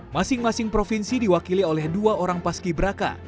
masing masing provinsi diwakili oleh dua orang paski braka